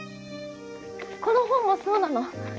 この本もそうなの。